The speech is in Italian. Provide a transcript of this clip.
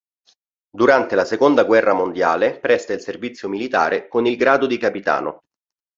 Durante la seconda guerra mondiale, presta il servizio militare con il grado di capitano.